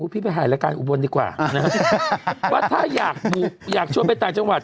พี่ไปหายรายการอุบลดีกว่านะฮะว่าถ้าอยากดูอยากช่วยไปใต้จังหวัด